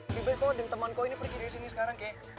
lebih baik kau adem teman kau ini pergi dari sini sekarang kay